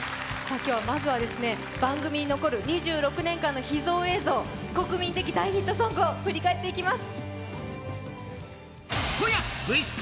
今日まずは、番組に残る２６年間の秘蔵映像、国民的大ヒットソングを振り返っていきます。